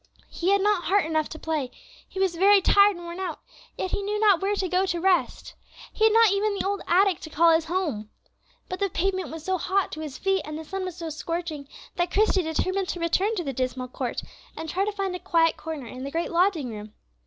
He had not heart enough to play, he was very tired and worn out; yet he knew not where to go to rest. He had not even the old attic to call his home. But the pavement was so hot to his feet, and the sun was so scorching, that Christie determined to return to the dismal court, and to try to find a quiet corner in the great lodging room.